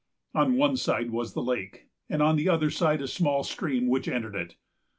On one side was the lake, and on the other a small stream which entered it.